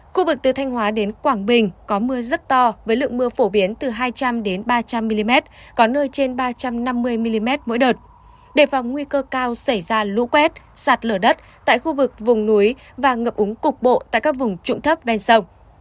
khu vực từ thanh hóa đến quảng bình có mưa rất to với lượng mưa phổ biến từ hai trăm linh ba trăm linh mm có nơi trên ba trăm năm mươi mm mỗi đợt đề phòng nguy cơ cao xảy ra lũ quét sạt lở đất tại khu vực vùng núi và ngập úng cục bộ tại các vùng trụng thấp ven sông